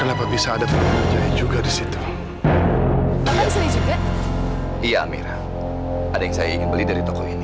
kenapa bisa ada juga di situ iya amira ada yang saya ingin beli dari toko ini